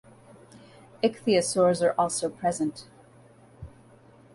Ichthyosaurs are also present.